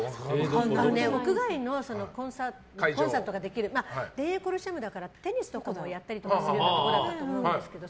屋外のコンサートができる田園コロシアムだからテニスとかもやったりするところだったと思うんだけど。